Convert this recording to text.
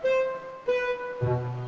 suara d reward